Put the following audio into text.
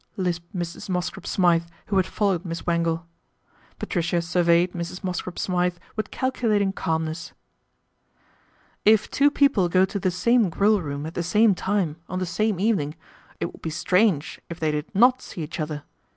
lisped Mrs. Mosscrop Smythe, who had followed Miss Wangle. Patricia surveyed Mrs. Mosscrop Smythe with calculating calmness. " If two people go to the same Grill room at the same time on the same evening, it would be strange if they did not see each other.